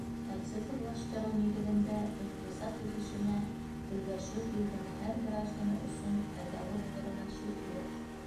Ә цифрлаштырыу нигеҙендә иҡтисад үҫешенә өлгәшеү илдең һәр гражданы өсөн файҙалы булырына шик юҡ.